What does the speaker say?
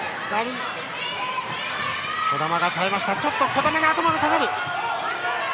児玉の頭が下がる！